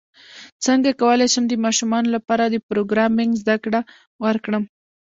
څنګه کولی شم د ماشومانو لپاره د پروګرامینګ زدکړه ورکړم